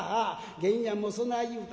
源やんもそない言うた？